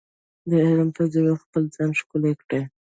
د علم په زیور خپل ځان ښکلی کړئ.